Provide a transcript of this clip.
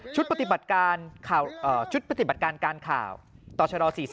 ชุดปฏิบัติการการข่าวตศ๔๓๗